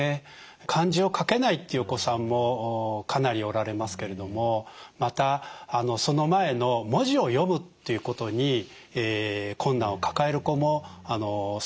漢字を書けないっていうお子さんもかなりおられますけれどもまたその前の文字を読むっていうことに困難を抱える子も少なくありません。